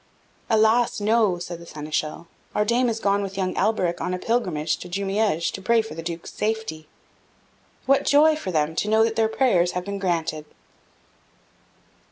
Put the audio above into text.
"Alas, no!" said the Seneschal; "our Dame is gone with young Alberic on a pilgrimage to Jumieges to pray for the Duke's safety. What joy for them to know that their prayers have been granted!"